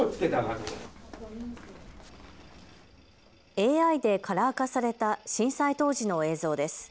ＡＩでカラー化された震災当時の映像です。